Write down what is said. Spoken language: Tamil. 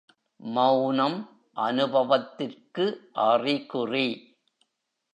மெளனம் அநுபவத்திற்கு அறிகுறி.